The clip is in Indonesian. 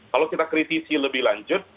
kalau kita kritisi lebih lanjut